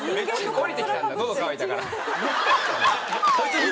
降りてきたんだのど渇いたから。